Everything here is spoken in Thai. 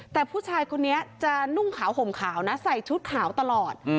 แต่ผู้ชายคนนี้จะนุ่งขาวห่มขาวนะใส่ชุดขาวตลอด